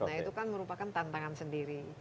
nah itu kan merupakan tantangan sendiri